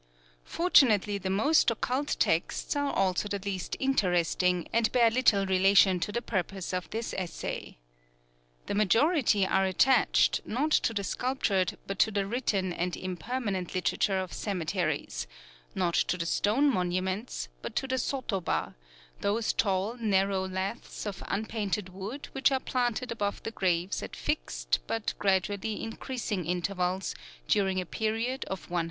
Fortunately the most occult texts are also the least interesting, and bear little relation to the purpose of this essay. The majority are attached, not to the sculptured, but to the written and impermanent literature of cemeteries, not to the stone monuments, but to the sotoba: those tall narrow laths of unpainted wood which are planted above the graves at fixed, but gradually increasing intervals, during a period of one hundred years.